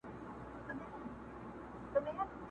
ويل واورئ دې ميدان لره راغلو!.